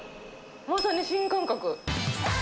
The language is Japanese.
まさに新感覚。